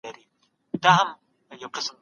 خشکیار او شاترینه مینه ناک کرکټرونه دي.